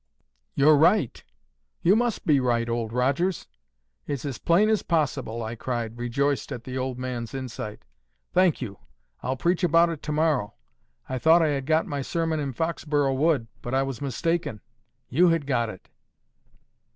"You're right; you must be right, old Rogers. It's as plain as possible," I cried, rejoiced at the old man's insight. "Thank you. I'll preach about it to morrow. I thought I had got my sermon in Foxborough Wood, but I was mistaken: you had got it."